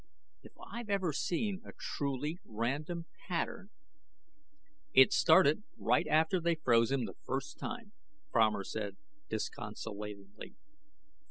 If I've ever seen a truly random pattern " "It started right after they froze him the first time," Fromer said disconsolately.